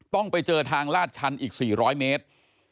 ต้องไปเจอทางลาดชันอีก๔๐๐เมตร